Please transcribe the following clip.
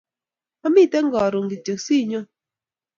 Amiten karun kityok sinyon